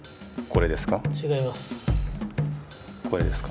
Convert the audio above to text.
これですか？